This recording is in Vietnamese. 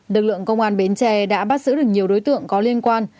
lực lượng công an bến tre đã bắt giữ được nhiều đối tượng có liên quan